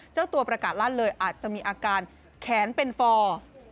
เจ้าตัวประกาศลั่นเลยอาจจะมีอาการแขนเป็นฟอร์